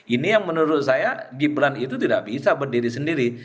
ini yang menurut saya gibran itu tidak bisa berdiri sendiri